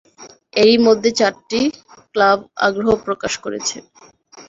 এরই মধ্যে চারটি ক্লাব আগ্রহ প্রকাশ করেছে।